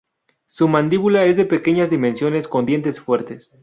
Su mandíbula es de pequeñas dimensiones con dientes fuertes.